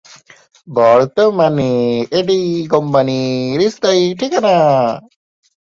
বর্তমানে এটিই কোম্পানির স্থায়ী ঠিকানা।